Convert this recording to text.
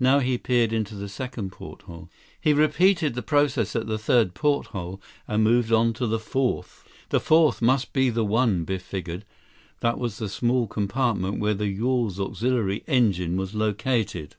Now he peered into the second porthole. He repeated the process at the third porthole and moved on to the fourth. The fourth must be the one, Biff figured, that was in the small compartment where the yawl's auxiliary engine was located.